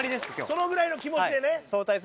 そのぐらいの気持ちでね。